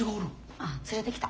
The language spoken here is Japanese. ああ連れてきた。